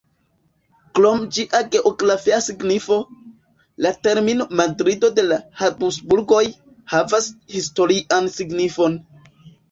Krom ĝia geografia signifo, la termino "Madrido de la Habsburgoj" havas historian signifon.